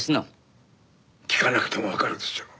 聞かなくてもわかるでしょう。